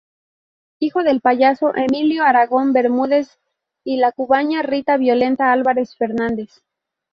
Hijo del payaso Emilio Aragón Bermúdez y la cubana Rita Violeta Álvarez Fernández.